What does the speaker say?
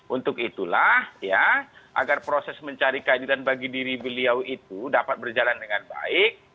untuk itulah ya agar proses mencari keadilan bagi diri beliau itu dapat berjalan dengan baik